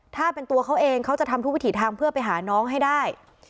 ถ้าเป็นตัวเขาเองเขาจะทำทุกวิถีทางเพื่อไปหาน้องให้ได้